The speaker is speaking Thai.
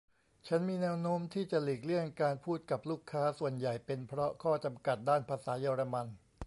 ฉันมีแน้วโน้มที่จะหลีกเลี่ยงการพูดกับลูกค้า ส่วนใหญ่เป็นเพราะข้อจำกัดด้านภาษาเยอรมัน